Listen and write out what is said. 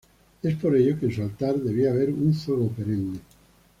Es por ello que en su altar debía haber un fuego perenne.